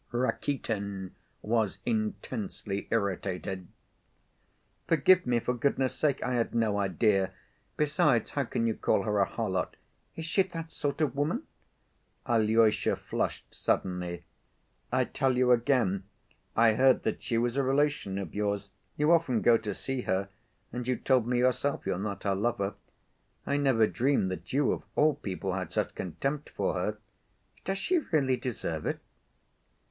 Rakitin was intensely irritated. "Forgive me, for goodness' sake, I had no idea ... besides ... how can you call her a harlot? Is she ... that sort of woman?" Alyosha flushed suddenly. "I tell you again, I heard that she was a relation of yours. You often go to see her, and you told me yourself you're not her lover. I never dreamed that you of all people had such contempt for her! Does she really deserve it?"